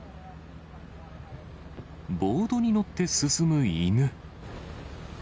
ボードに乗って進む犬。